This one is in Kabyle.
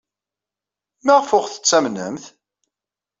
Maɣef ur aɣ-tettamnemt?